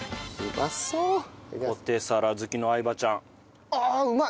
ポテサラ好きの相葉ちゃん。ああうまい！